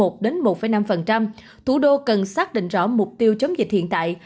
thủ đô cần xác định rõ mục tiêu chống dịch hiện tại